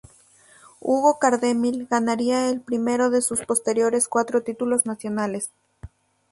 Hugo Cardemil ganaría el primero de sus posteriores cuatro títulos nacionales.